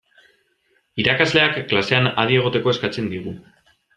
Irakasleak klasean adi egoteko eskatzen digu.